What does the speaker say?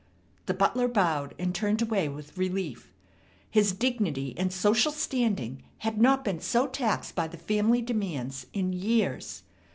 The butler bowed, and turned away with relief. His dignity and social standing had not been so taxed by the family demands in years.